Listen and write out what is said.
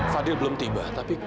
fadil belum tiba